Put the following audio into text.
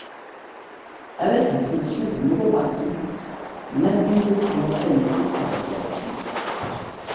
Avec la formation du nouveau parti, Manning lança une course à la direction.